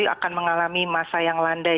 akan mengalami masa yang landai